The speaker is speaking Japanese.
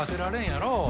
やろ